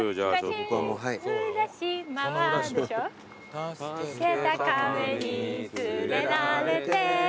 「助けた亀に連れられて、」